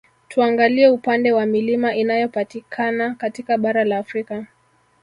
Tuangalie upande wa Milima inayopatikana katika bara la Afrika